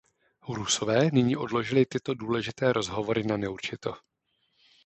Rusové nyní odložili tyto důležité rozhovory na neurčito.